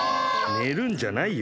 ねるんじゃないよ！